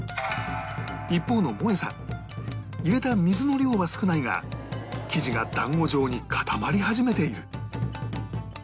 一方のもえさん入れた水の量は少ないが生地が団子状に固まり始めている